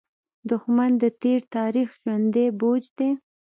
دښمن د تېر تاریخ ژوندى بوج دی